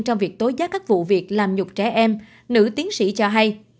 trong việc tối giá các vụ việc làm nhục trẻ em nữ tiến sĩ cho hay